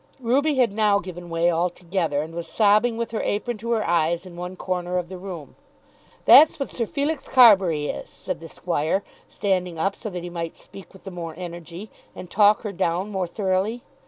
Ruby had now given way altogether, and was sobbing with her apron to her eyes in one corner of the room. "That's what Sir Felix Carbury is," said the Squire, standing up so that he might speak with the more energy, and talk her down more thoroughly.